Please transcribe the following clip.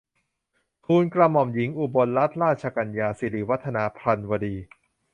ทูลกระหม่อมหญิงอุบลรัตนราชกัญญา สิริวัฒนาพรรณวดี